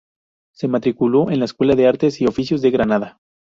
Se matriculó en la Escuela de Artes y Oficios de Granada.